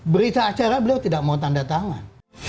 berita acara beliau tidak mau tanda tangan